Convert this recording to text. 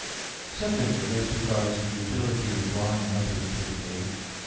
Secondly, as regards the utility of drawing others to the faith.